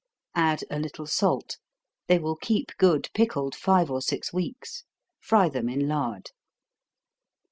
Add a little salt. They will keep good pickled five or six weeks. Fry them in lard.